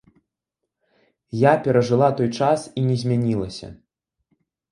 Я перажыла той час і не змянілася.